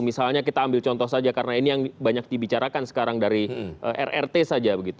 misalnya kita ambil contoh saja karena ini yang banyak dibicarakan sekarang dari rrt saja